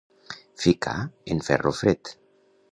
Ficar en ferro fred.